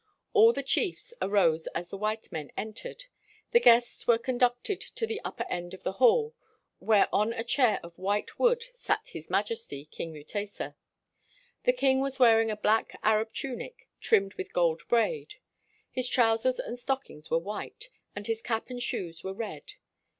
All the chiefs arose as the white men entered. The guests were con ducted to the upper end of the hall where on a chair of white wood sat his majesty, King Mutesa. The king was wearing a black Arab tunic trimmed with gold braid. His trous ers and stockings were white, and his ; cap and shoes were red.